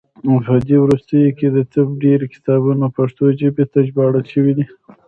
په دې وروستیو کې د طب ډیری کتابونه پښتو ژبې ته ژباړل شوي دي.